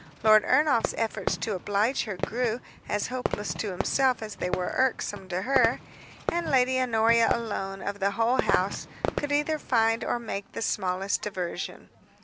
Lord Ernolf's efforts to oblige her grew as hopeless to himself, as they were irksome to her; and Lady Honoria alone, of the whole house, could either find or make the smallest diversion.